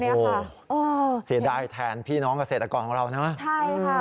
โอ้โหเสียดายแทนพี่น้องเกษตรกรของเรานะใช่ค่ะ